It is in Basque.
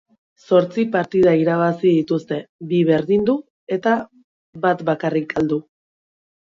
Zortzi partida irabazi dituzte, bi berdindu eta bat bakarrik galdu.